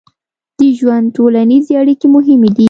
د ژوند ټولنیزې اړیکې مهمې دي.